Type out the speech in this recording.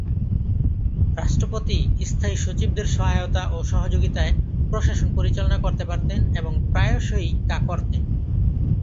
রাষ্ট্রপতি স্থায়ী সচিবদের সহায়তা ও সহযোগিতায় প্রশাসন পরিচালনা করতে পারতেন এবং প্রায়শই তা করতেন।